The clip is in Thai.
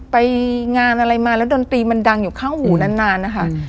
ไปงานอะไรมาแล้วดนตรีมันดังอยู่ข้างหูนานนะคะ